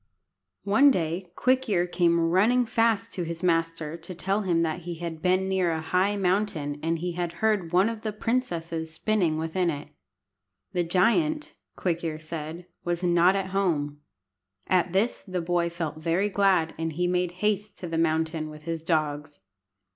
One day Quick ear came running fast to his master to tell him that he had been near a high mountain, and had heard one of the princesses spinning within it. The giant, Quick ear said, was not at home. At this the boy felt very glad, and he made haste to the mountain with his dogs.